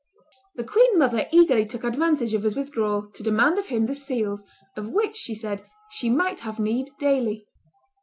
The queen mother eagerly took advantage of his withdrawal to demand of him the seals, of which, she said, she might have need daily.